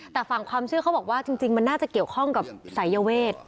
แต่ฝั่งความเชื่อเขาบอกว่าจริงมันน่าจะเกี่ยวข้องกับสายเวท